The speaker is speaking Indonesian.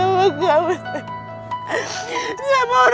aku bener bener merasa bersyukur